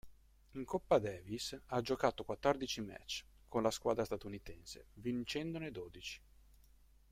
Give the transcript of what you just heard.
In Coppa Davis ha giocato quattordici match con la squadra statunitense vincendone dodici.